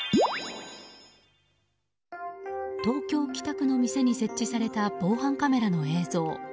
東京・北区の店に設置された防犯カメラの映像。